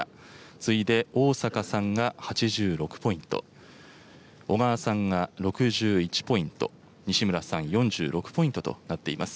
次いで逢坂さんが８６ポイント、小川さんが６１ポイント、西村さん４６ポイントとなっています。